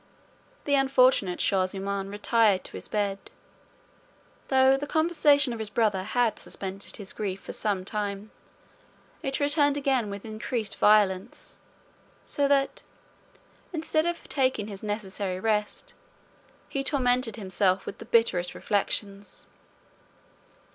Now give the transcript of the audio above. The unfortunate Shaw zummaun retired to bed. Though the conversation of his brother had suspended his grief for some time, it returned again with increased violence; so that, instead of taking his necessary rest, he tormented himself with the bitterest reflections.